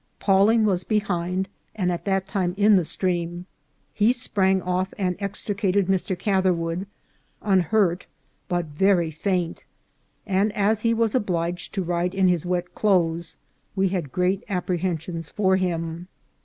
Pawling was behind, and at that time in the stream. He sprang off and extricated Mr. Catherwood, unhurt, but very faint, and, as he was obliged to ride in his wet clothes, we had great apprehensions for him.